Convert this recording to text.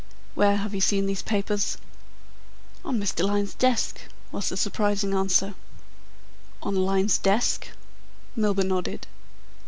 "Where have you seen these papers?" "On Mr. Lyne's desk," was the surprising answer "On Lyne's desk?" Milburgh nodded.